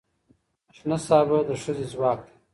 شنه سابه د ښځې ځواک دی